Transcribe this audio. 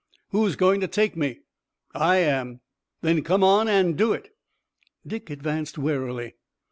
"Who's going to take me?" "I am." "Then come on and do it." Dick advanced warily.